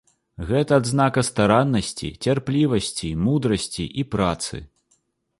Гэта адзнака стараннасці, цярплівасці, мудрасці і працы.